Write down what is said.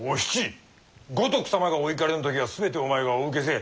五徳様がお怒りの時は全てお前がお受けせえ。